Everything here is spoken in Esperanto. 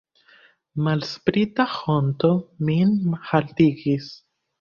Malsprita honto min haltigis.